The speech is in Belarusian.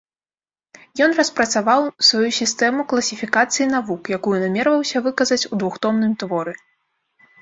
Ён распрацаваў сваю сістэму класіфікацыі навук, якую намерваўся выказаць у двухтомным творы.